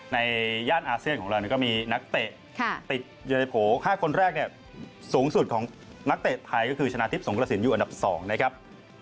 ย่านอาเซียนของเราก็มีนักเตะติดอยู่ในโผล่๕คนแรกเนี่ยสูงสุดของนักเตะไทยก็คือชนะทิพย์สงกระสินอยู่อันดับ๒นะครับ